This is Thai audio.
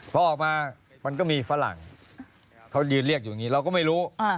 พอออกมามันก็มีฝรั่งเขายืนเรียกอยู่อย่างนี้เราก็ไม่รู้